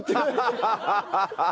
ハハハハ！